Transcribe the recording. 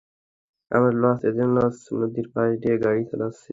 আমরা Los Angeles নদীর পাশ দিয়ে গাড়ি চালাচ্ছি!